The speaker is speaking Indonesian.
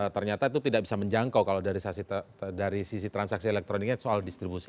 ternyata itu tidak bisa menjangkau kalau dari sisi transaksi elektroniknya soal distribusi